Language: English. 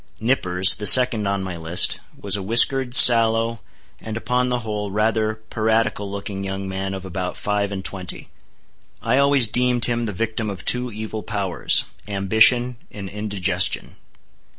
Nippers, the second on my list, was a whiskered, sallow, and, upon the whole, rather piratical looking young man of about five and twenty. I always deemed him the victim of two evil powers—ambition and indigestion.